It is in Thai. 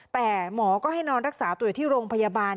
แต่หมอก็ให้นอนรักษาตัวอยู่ที่โรงพยาบาล